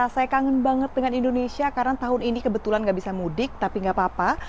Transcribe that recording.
saya kangen banget dengan indonesia karena tahun ini kebetulan nggak bisa mudik tapi nggak apa apa